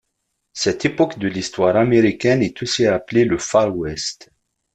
Cette époque de l'histoire américaine est aussi appelée le Far West.